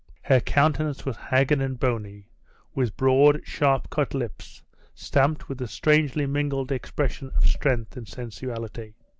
Her countenance was haggard and bony, with broad sharp cut lips, stamped with a strangely mingled expression of strength and sensuality.